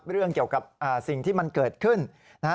เรื่องเกี่ยวกับสิ่งที่มันเกิดขึ้นนะฮะ